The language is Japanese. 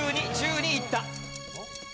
１２１２いった。